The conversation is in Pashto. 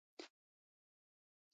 غول د کولمو میکروبونه ښکاره کوي.